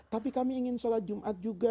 tapi kami ingin sholat jumat juga